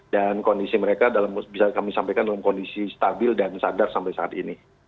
dan kondisi mereka dalam kondisi stabil dan sadar sampai saat ini